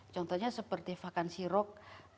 contohnya seperti vakansi rock